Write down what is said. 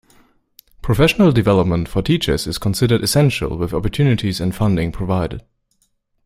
Professional development for teachers is considered essential with opportunities and funding provided.